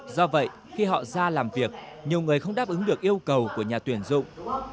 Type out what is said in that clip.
do vậy khi họ ra làm việc nhiều người không đáp ứng được yêu cầu của nhà tuyển dụng